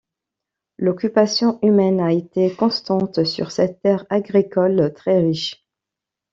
L'occupation humaine a été constante sur cette terre agricole très riche.